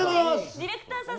ディレクターさん